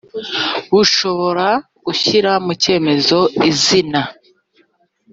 bushobora gushyira mu cyemezo izina